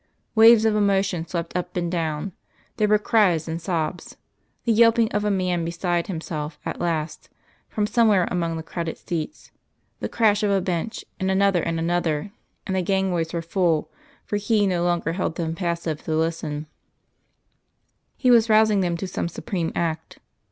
Waves of emotion swept up and down; there were cries and sobs, the yelping of a man beside himself at last, from somewhere among the crowded seats, the crash of a bench, and another and another, and the gangways were full, for He no longer held them passive to listen; He was rousing them to some supreme act.